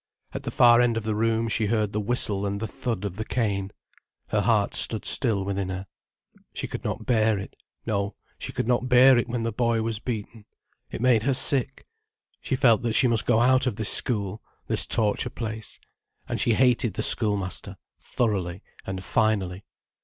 At the far end of the room she heard the whistle and the thud of the cane. Her heart stood still within her. She could not bear it, no, she could not bear it when the boy was beaten. It made her sick. She felt that she must go out of this school, this torture place. And she hated the schoolmaster, thoroughly and finally.